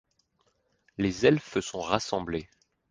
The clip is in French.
Les elfes sont rassemblés.